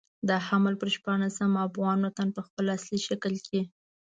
د حمل پر شپاړلسمه افغان وطن په خپل اصلي شکل کې.